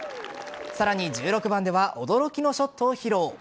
さらに１６番では驚きのショットを披露。